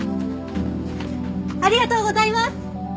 ありがとうございます！